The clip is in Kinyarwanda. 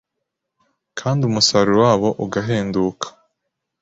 kandi umusaruro wabo ugahenduka.